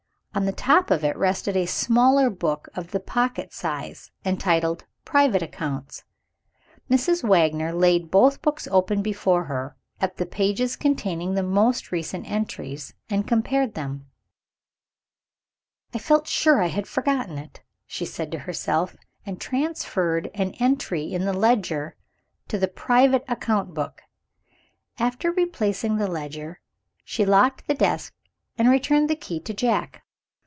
On the top of it rested a smaller book, of the pocket size, entitled "Private Accounts." Mrs. Wagner laid both books open before her, at the pages containing the most recent entries, and compared them. "I felt sure I had forgotten it!" she said to herself and transferred an entry in the ledger to the private account book. After replacing the ledger, she locked the desk, and returned the key to Jack.